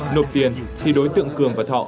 nộp tiền thì đối tượng cường và thọ